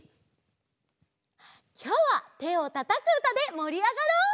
きょうはてをたたくうたでもりあがろう！